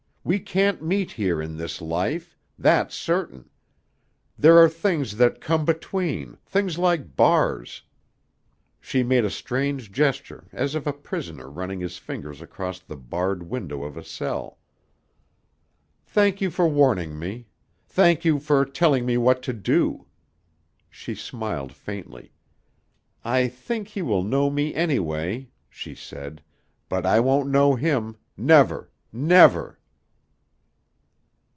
We can't meet here in this life. That's certain. There are things that come between, things like bars." She made a strange gesture as of a prisoner running his fingers across the barred window of a cell. "Thank you for warning me. Thank you for telling me what to do." She smiled faintly. "I think he will know me, anyway," she said, "but I won't know him. Never! Never!"